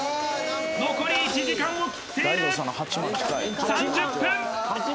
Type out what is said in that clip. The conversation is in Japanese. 残り１時間を切っている３０分！